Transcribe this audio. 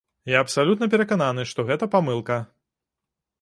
Я абсалютна перакананы, што гэта памылка.